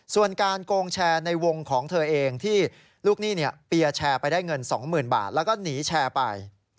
ส่วนการโกงแชร์ในวงของเธอเองที่ลูกหนี้เปียร์แชร์ไปได้เงิน๒๐๐๐บาทแล้วก็หนีแชร์ไป